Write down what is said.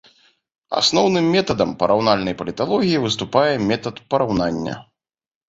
Асноўным метадам параўнальнай паліталогіі выступае метад параўнання.